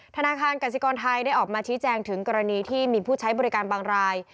ธนาคารกสิกรไทยได้ออกมาชี้แจงถึงกรณีที่มีผู้ใช้บริการบางราย